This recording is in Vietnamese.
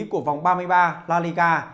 của vòng ba mươi ba la liga